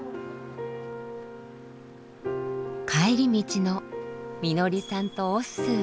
帰り道のみのりさんとオッスー。